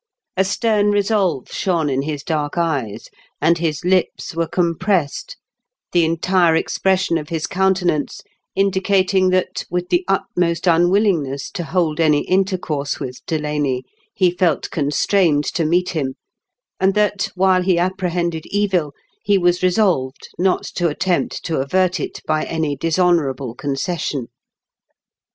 A stem resolve shone in his dark eyes, and his lips were compressed, the entire expression of his countenance indicating that, with the utmost unwillingness to hold any intercourse with Delaney, he felt constrained to meet him, and that, while he apprehended evil, he was resolved not to attempt to avert it by any dishonourable concession.